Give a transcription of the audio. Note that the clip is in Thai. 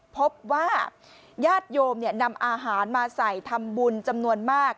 พบว่าญาติโยมนำอาหารมาใส่ทำบุญจำนวนมาก